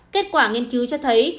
kết quả nghiên cứu cho thấy